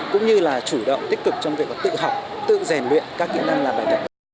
cũng như là chủ động tích cực trong việc tự học tự rèn luyện các kỹ năng làm bài tập